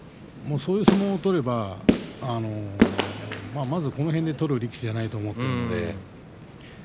そういう相撲を取ればまず、この辺で取る力士ではないと思っているので。